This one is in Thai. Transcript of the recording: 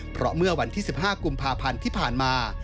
เพราะเมื่อวันที่๑๕กุมภาพันธ์ที่ผ่านมา